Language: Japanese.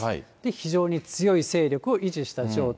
非常に強い勢力を維持した状態。